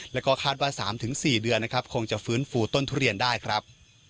แล้วก็คาดว่า๓๔เดือนนะครับคงจะฟื้นฟูต้นทุเรียนได้ครับ